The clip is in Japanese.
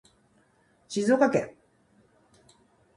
静岡県